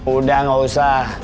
udah gak usah